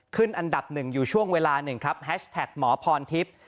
อันดับหนึ่งอยู่ช่วงเวลาหนึ่งครับแฮชแท็กหมอพรทิพย์